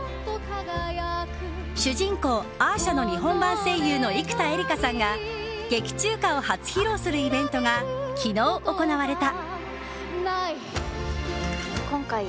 主人公アーシャの日本版声優の生田絵梨花さんが劇中歌を初披露するイベントが昨日、行われた。